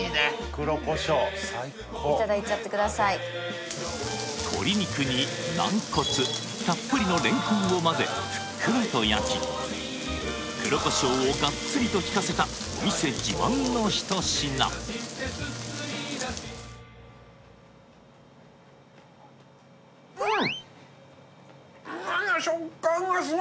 黒コショウ最高いただいちゃってください鶏肉に軟骨たっぷりのレンコンを混ぜふっくらと焼き黒コショウをがっつりと効かせたお店自慢のひと品ねえうん！